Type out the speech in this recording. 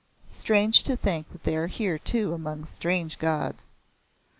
Strange to think they are here too among strange gods!"